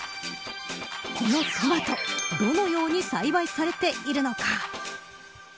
このトマトどのように栽培されているのか。